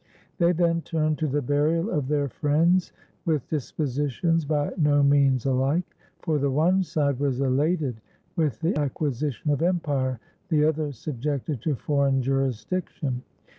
They then turn to the burial of their friends with dispositions by no means alike; for the one side was elated with the acquisition of empire, the other subjected to foreign jurisdiction.